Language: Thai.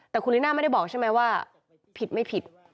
แต่คุณลิน่าไม่ได้บอกใช่ไหมว่าผิดไม่ผิด